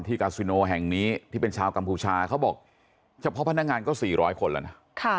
กาซิโนแห่งนี้ที่เป็นชาวกัมพูชาเขาบอกเฉพาะพนักงานก็๔๐๐คนแล้วนะ